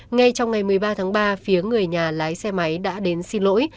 ngay trong ngày một mươi ba tháng ba phía người nhà lái xe máy đã đến xin lỗi